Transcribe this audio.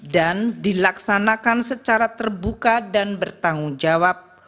dan dilaksanakan secara terbuka dan bertanggung jawab